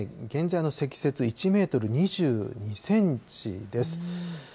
現在の積雪、１メートル２２センチです。